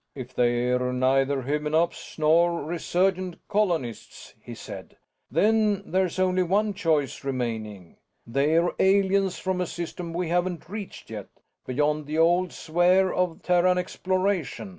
"If they're neither Hymenops nor resurgent colonists," he said, "then there's only one choice remaining they're aliens from a system we haven't reached yet, beyond the old sphere of Terran exploration.